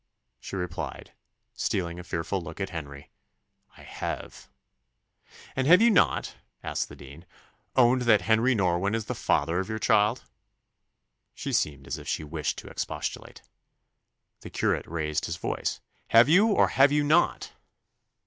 She replied, stealing a fearful look at Henry, "I have." "And have you not," asked the dean, "owned that Henry Norwynne is the father of your child?" She seemed as if she wished to expostulate. The curate raised his voice "Have you or have you not?"